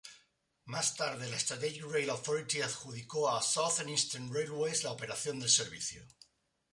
Más tarde, la "Strategic Rail Authority" adjudicó a Southeastern Railways la operación del servicio.